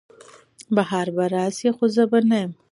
بهار به راسي خو زه به نه یم